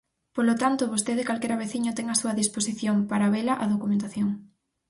Polo tanto, vostede e calquera veciño ten á súa disposición, para vela, a documentación.